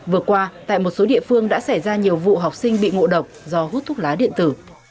vừa qua tại một số địa phương đã xảy ra nhiều vụ học sinh bị ngộ độc do hút thuốc lá điện tử